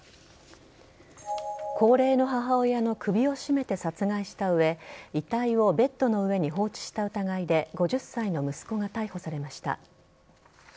高齢の母親の首を絞めて殺害した上遺体をベッドの上に放置した疑いで５０歳の息子が逮捕されました。